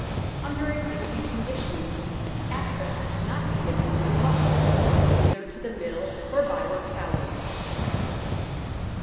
Under existing conditions, access cannot be given to the public either to the Middle or Byward Towers.